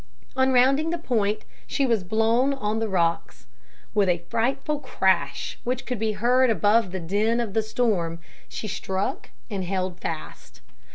On rounding the point, she was blown on the rocks. With a frightful crash which could be heard above the din of the storm she struck and held fast.